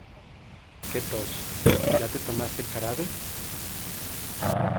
Qué tos, ¿ya te tomaste el jarabe?